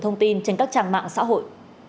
thông tin trên các trạng mạng xã hội